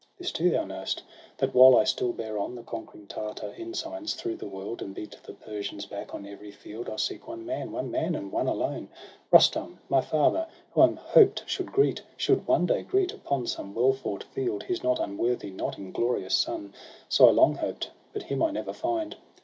This too thou know'st, that while I still bear on The conquering Tartar ensigns through the world, And beat the Persians back on every field, I seek one man, one man, and one alone — Rustum, my father; who I hoped should greet, Should one day greet, upon some well fought field. His not unworthy, not inglorious son. So I long hoped, but him I never find.